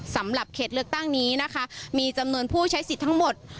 สำหรับเขตเลือกตั้งนี้นะคะมีจำนวนผู้ใช้สิทธิ์ทั้งหมด